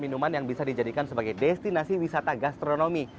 minuman yang bisa dijadikan sebagai destinasi wisata gastronomi